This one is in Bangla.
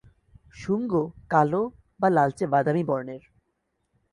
শুঙ্গ কালো বা লালচে বাদামি বর্নের।